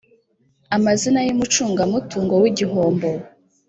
amazina y umucungamutungo w igihombo